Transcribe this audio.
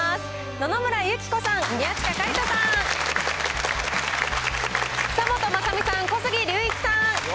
野々村友紀子さん、宮近海斗さん、久本雅美さん、小杉竜一さん。